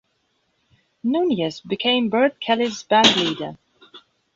Nunez became Bert Kelly's bandleader.